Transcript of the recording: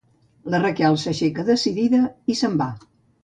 La Raquel s'aixeca decidida i se'n va.